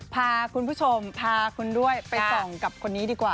พาคุณผู้ชมพาคุณด้วยไปส่องกับคนนี้ดีกว่า